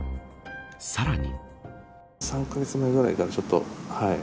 さらに。